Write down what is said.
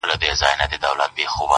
چي هغوى خيالي ټوكران پرې ازمېيله-